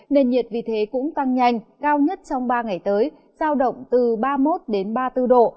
nền nhiệt vì thế cũng tăng nhanh cao nhất trong ba ngày tới sao động từ ba mươi một đến ba mươi bốn độ